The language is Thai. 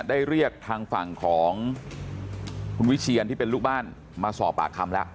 ได้เรียกทางฝั่งของคุณวิเชียนที่เป็นลูกบ้านมาสอบปากคำแล้ว